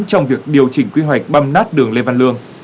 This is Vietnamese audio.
trong việc điều chỉnh quy hoạch băm nát đường lê văn lương